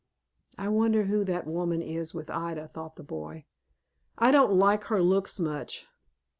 "I wonder who that woman is with Ida," thought the boy. "I don't like her looks much.